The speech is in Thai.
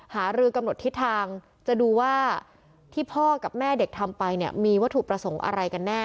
หารือกำหนดทิศทางจะดูว่าที่พ่อกับแม่เด็กทำไปเนี่ยมีวัตถุประสงค์อะไรกันแน่